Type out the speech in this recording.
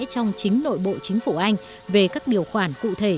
trong chính nội bộ chính phủ anh về các điều khoản cụ thể